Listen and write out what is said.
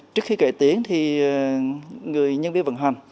trước khi kể tiếng thì người nhân viên vận hành